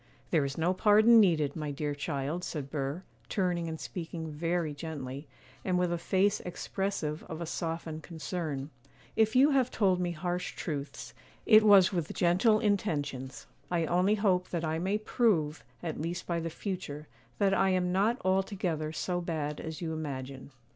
'There is no pardon needed, my dear child,' said Burr, turning and speaking very gently, and with a face expressive of a softened concern; 'if you have told me harsh truths, it was with gentle intentions; I only hope that I may prove, at least by the future, that I am not altogether so bad as you imagine.